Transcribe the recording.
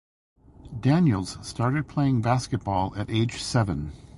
Daniels started playing basketball at age seven.